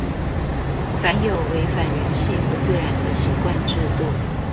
凡有違反人性不自然的習慣制度